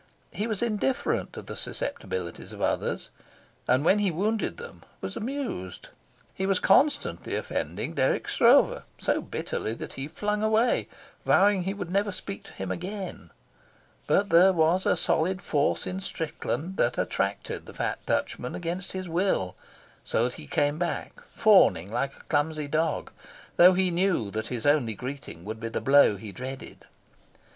He was indifferent to the susceptibilities of others, and when he wounded them was amused. He was constantly offending Dirk Stroeve so bitterly that he flung away, vowing he would never speak to him again; but there was a solid force in Strickland that attracted the fat Dutchman against his will, so that he came back, fawning like a clumsy dog, though he knew that his only greeting would be the blow he dreaded.